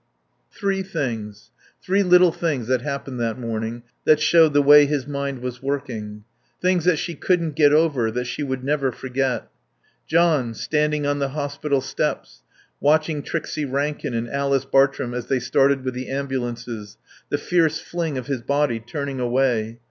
Three things, three little things that happened that morning, that showed the way his mind was working. Things that she couldn't get over, that she would never forget. John standing on the hospital steps, watching Trixie Rankin and Alice Bartrum as they started with the ambulances; the fierce fling of his body, turning away.